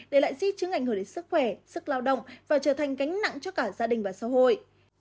để lại di chứng ảnh hưởng đến sức khỏe sức lao động và trở thành gánh nặng cho cả gia đình và xã hội